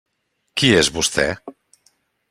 Qui és vostè?